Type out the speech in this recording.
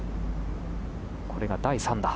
これが第３打。